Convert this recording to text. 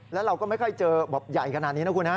แล้วเราก็ไม่ค่อยเจอแบบใหญ่ขนาดนี้นะคุณฮะ